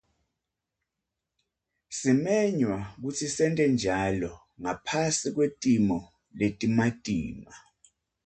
Simenywa kutsi sente njalo ngaphasi kwetimo letimatima.